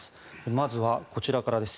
まずはこちらからです。